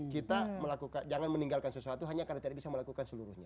kita melakukan jangan meninggalkan sesuatu hanya karena tidak bisa melakukan seluruhnya